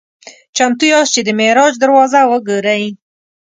"چمتو یاست چې د معراج دروازه وګورئ؟"